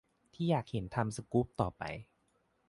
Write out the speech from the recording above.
ที่อยากเห็นทำสกู๊ปต่อไป